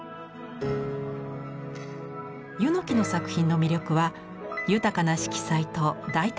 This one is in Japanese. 柚木の作品の魅力は豊かな色彩と大胆な発想。